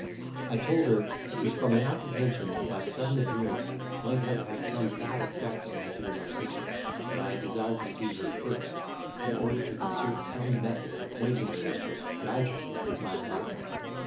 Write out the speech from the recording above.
I told her, it was from an apprehension that my sudden appearance might have had some bad effect on my dear Narcissa, that I had desired to see her first, in order to concert some method of acquainting her mistress gradually with my arrival.